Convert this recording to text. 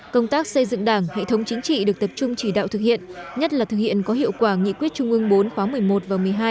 công tác xây dựng đảng hệ thống chính trị được tập trung chỉ đạo thực hiện nhất là thực hiện có hiệu quả nghị quyết trung ương bốn khóa một mươi một và một mươi hai